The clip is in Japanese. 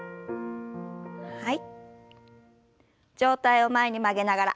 はい。